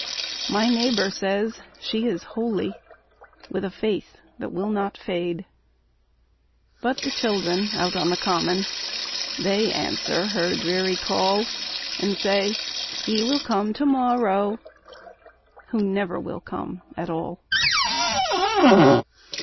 My neighbour says she is holy, With a faith that will not fade. But the children out on the common They answer her dreary call, And say: "He will come to morrow!" Who never will come at all.